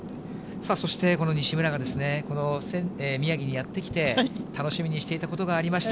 そして、この西村がこの宮城にやって来て、楽しみにしていたことがありました。